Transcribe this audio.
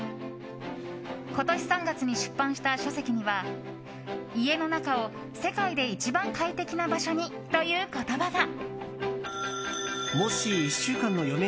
今年３月に出版した書籍には「家の中を世界で一番快適な場所に」という言葉が。